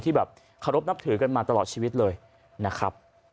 แบบเคารพนับถือกันมาตลอดชีวิตเลยนะครับ